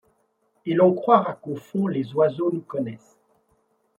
Et l'on croira qu'au fond les oiseaux nous connaissent ;